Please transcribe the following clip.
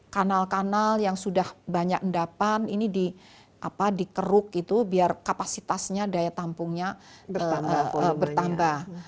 kanal kanal yang sudah banyak endapan ini dikeruk itu biar kapasitasnya daya tampungnya bertambah